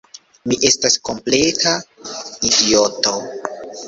Mi estas kompleta idioto!